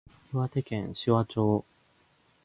岩手県紫波町